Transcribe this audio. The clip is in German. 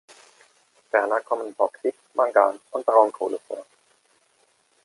Ferner kommen Bauxit, Mangan und Braunkohle vor.